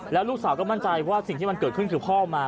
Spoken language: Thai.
แล้วลูกสาวก็มั่นใจว่าสิ่งที่มันเกิดขึ้นคือพ่อมา